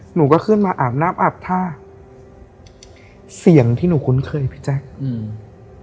หนูก็ขึ้นมาอาบน้ำอาบท่าเสียงที่หนูคุ้นเคยพี่แจ๊คอืม